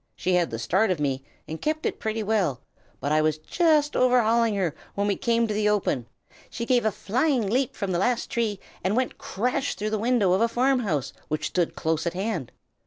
She had the start of me, and kept it pretty well, but I was just overhauling her when we came to the open; she gave a flying leap from the last tree, and went crash through the window of a farmhouse which stood close at hand!